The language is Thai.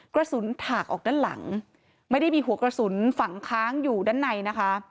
ถากออกด้านหลังไม่ได้มีหัวกระสุนฝังค้างอยู่ด้านในนะคะ